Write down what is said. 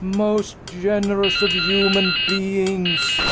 "Most generous of human beings!"